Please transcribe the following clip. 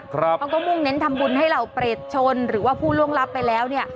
เขาก็มุ่งเน้นทำบุญให้เหล่าเปรตชนหรือว่าผู้ล่วงลับไปแล้วเนี่ย